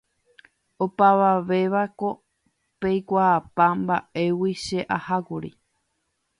Opavavévako peikuaapa mba'éguipa che ahákuri